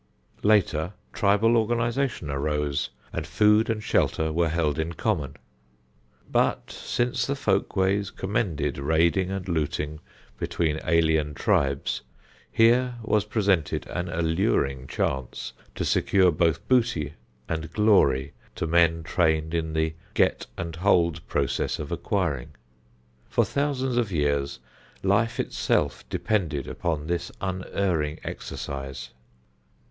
Later tribal organization arose, and food and shelter were held in common. But since the folk ways commended raiding and looting between alien tribes, here was presented an alluring chance to secure both booty and glory to men trained in the "get and hold" process of acquiring. For thousands of years life itself depended upon this unerring exercise.